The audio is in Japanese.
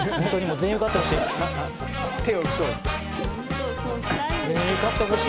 全員受かってほしい。